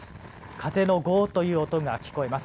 風のごおという音が聞こえます。